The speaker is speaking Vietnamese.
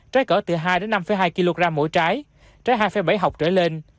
trái cỡ từ hai năm hai kg mỗi trái trái hai bảy học trở lên